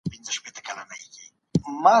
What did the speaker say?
سالم ذهن راتلونکی نه ځنډوي.